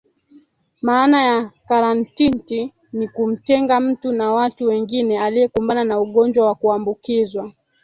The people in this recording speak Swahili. Maana ya karatinti ni kumtenga mtu na watu wengine aliyekumbana na ugonjwa wa kuambukizwa